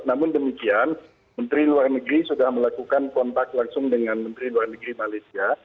namun demikian menteri luar negeri sudah melakukan kontak langsung dengan menteri luar negeri malaysia